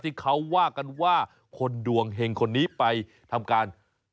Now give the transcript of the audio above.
ที่เขาว่ากันว่าคนดวงเห็งคนนี้ไปทำการ